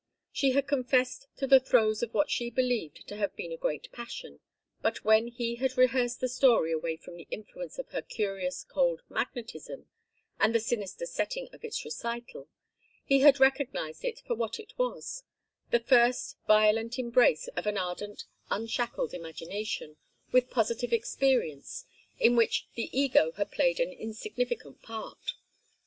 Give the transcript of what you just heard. She had confessed to the throes of what she believed to have been a great passion, but when he had rehearsed the story away from the influence of her curious cold magnetism and the sinister setting of its recital, he had recognized it for what it was, the first violent embrace of an ardent unshackled imagination with positive experience, in which the ego had played an insignificant part.